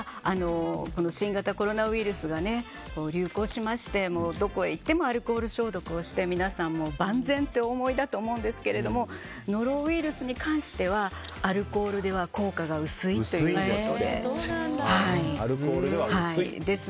新型コロナウイルスが流行しまして、どこへ行ってもアルコール消毒をして、皆さん万全とお思いだと思うんですがノロウイルスに関してはアルコールでは効果が薄いといわれています。